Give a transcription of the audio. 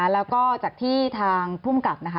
แล้วก็จากที่ทางภูมิกับนะคะ